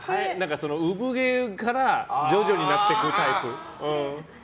産毛から徐々になっていくタイプ。